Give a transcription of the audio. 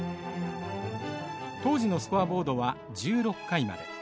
当時のスコアボードは１６回まで。